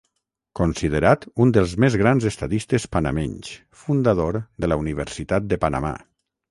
Considerat un dels més grans estadistes panamenys, fundador de la Universitat de Panamà.